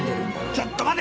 ちょっと待て。